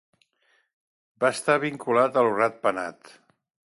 Va estar vinculat a Lo Rat Penat.